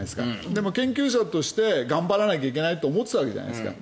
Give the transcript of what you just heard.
でも研究者として頑張らなきゃいけないと思ってたわけじゃないですか。